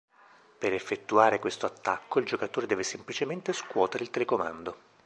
Per effettuare questo attacco il giocatore deve semplicemente scuotere il telecomando.